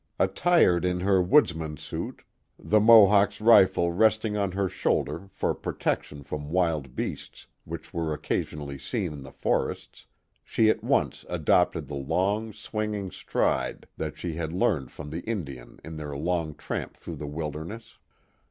Attired in her woodsman's suit, the Mohawk's rifle 552 The Mohawk Valley resting on her shoulder, for protection from wild beasts wliich were occa^onally seen in the forests, she at once adopted the long, swinging stride that she had learned from the Indisn ui their long tramp through the wilderness.